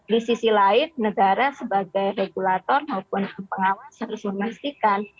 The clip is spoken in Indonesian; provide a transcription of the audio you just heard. di sisi lain negara sebagai regulator maupun pengawas harus memastikan